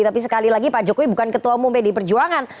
tapi sekali lagi pak jokowi bukan ketua umum pdi perjuangan